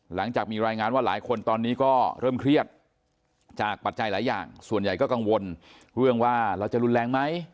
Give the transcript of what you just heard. หลังจากมีรายงานว่าหลายคนตอนนี้ก็เริ่มเครียดจากปัจจัยหลายอย่างส่วนใหญ่ก็กังวลเรื่องว่าเราจะรุนแรงไหม